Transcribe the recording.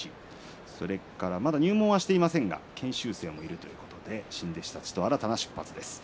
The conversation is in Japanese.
それからまだ入門はしていませんが研修生もいるということで新弟子たちと新たな出発です。